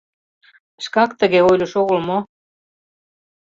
Шкак тыге ойлыш огыл мо?